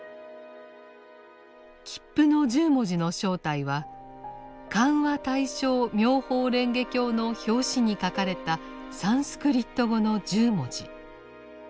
切符の１０文字の正体は「漢和対照妙法蓮華経」の表紙に書かれたサンスクリット語の１０文字。